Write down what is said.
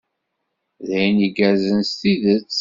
D ayen igerrzen s tidet.